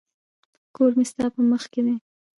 کور مي ستا په مخ کي دی.